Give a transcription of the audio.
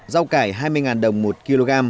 rau cải hai mươi đồng một kg